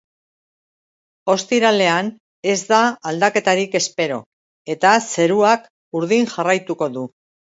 Ostiralean ez da aldaketarik espero, eta zeruak urdin jarraituko du.